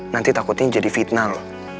nanti takutnya jadi fitnal